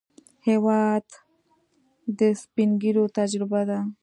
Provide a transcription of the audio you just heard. هېواد د سپینږیرو تجربه ده.